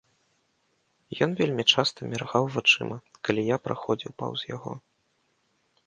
Ён вельмі часта міргаў вачыма, калі я праходзіў паўз яго.